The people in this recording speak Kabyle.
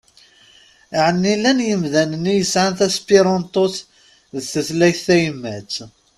Ɛni llan yemdanen i yesɛan taspiṛanṭut d tutlayt tayemmat?